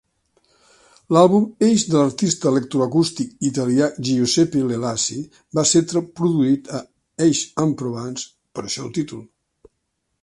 L"àlbum Aix de l"artista electroacústic italià Giuseppe Ielasi va ser produït a Aix-en-Provence; per això el títol.